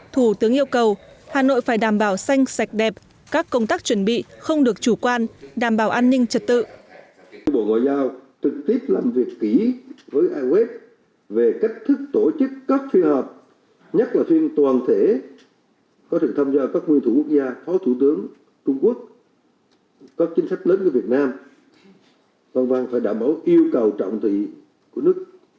thủ tướng yêu cầu hà nội phải đảm bảo xanh sạch đẹp các công tác chuẩn bị không được chủ quan đảm bảo an ninh trật tự